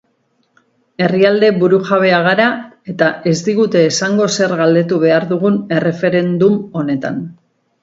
Herrialde burujabea gara eta ez digute esango zer galdetu behar dugun erreferendum honetan.